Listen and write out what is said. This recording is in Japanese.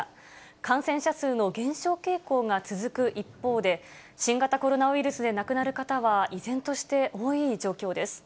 感染者数の減少傾向が続く一方で、新型コロナウイルスで亡くなる方は依然として多い状況です。